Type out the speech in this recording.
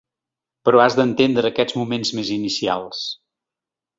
Però has d’entendre aquests moments més inicials.